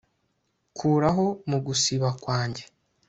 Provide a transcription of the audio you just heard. Kuraho mu gusiba kwanjye